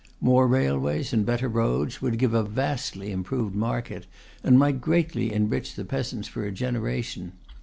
More railways and better roads would give a vastly improved market, and might greatly enrich the peasants for a generation.